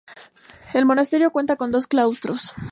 El monasterio cuenta con dos claustros.